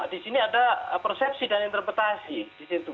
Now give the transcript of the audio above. tapi ada persepsi dan interpretasi di situ